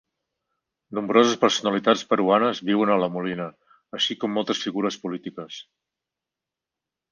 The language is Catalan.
Nombroses personalitats peruanes viuen a La Molina, així com moltes figures polítiques.